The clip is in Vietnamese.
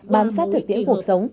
bám sát thực tiễn cuộc sống